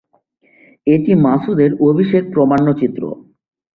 এটি মাসুদের অভিষেক প্রামাণ্যচিত্র।